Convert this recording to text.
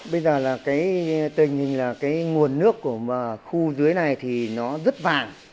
bây giờ tình hình là cái nguồn nước của khu dưới này thì nó rất vàng